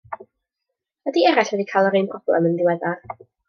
Ydy eraill wedi cael yr un broblem yn ddiweddar?